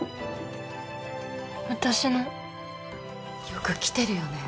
よく来てるよね